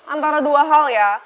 antara dua hal ya